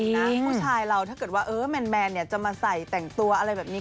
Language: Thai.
ผู้ชายเราถ้าเกิดว่าแมนจะมาใส่แต่งตัวอะไรแบบนี้